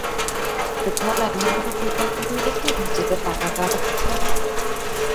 প্রথম আলো এমন কোনো পরিকল্পনা নিয়েছেন, যেটা টাকার কারণে পারছেন না?